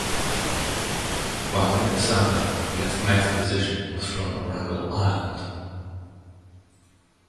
By mid-December the estimated position was from Wrangel Island.